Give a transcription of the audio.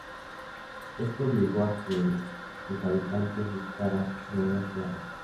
Esto obligó a que sus habitantes buscaran nuevas tierras.